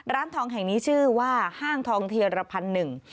ร้านทองแห่งนี้ชื่อว่าห้างทองเทียรพันธ์หนึ่ง